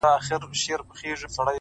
د زړو غمونو یاري! انډيوالي د دردونو!